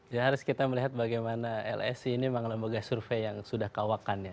jadi harus kita melihat bagaimana lsi ini memang lembaga survei yang sudah kauakannya